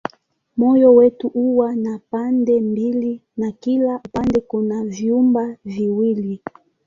Moyo wetu huwa na pande mbili na kila upande kuna vyumba viwili.